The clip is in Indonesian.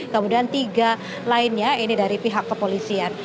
kemudian tiga lainnya ini dari pihak kepolisian